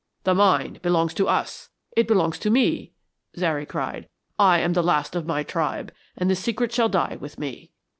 "The mine belongs to us, it belongs to me," Zary cried. "I am the last of my tribe, and the secret shall die with me.